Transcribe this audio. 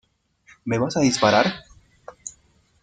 ¿ me vas a disparar?